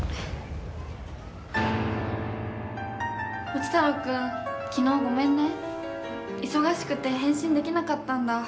ポチ太郎君昨日ごめんね忙しくて返信できなかったんだ。